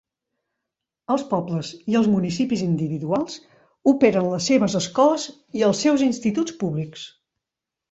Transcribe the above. Els pobles i els municipis individuals operen les seves escoles i els seus instituts públics.